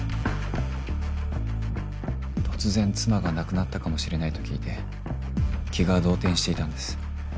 突然妻が亡くなったかもしれないと聞いて気が動転していたんです。